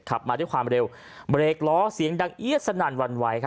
ขับมาด้วยความเร็วเบรกล้อเสียงดังเอี๊ยดสนั่นวันไหว